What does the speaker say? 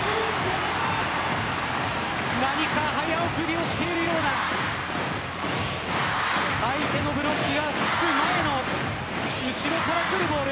何か早送りをしているような相手のブロックがつく前の後ろからくるボール。